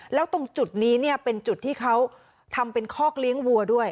แล้วตรงจุดนี้เนี่ยเป็นจุดที่เขาทำเป็นคอกเลี้ยงวัวด้วย